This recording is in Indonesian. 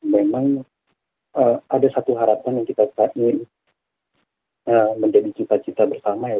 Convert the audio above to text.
memang ada satu harapan yang kita ingin menjadi cita cita bersama ya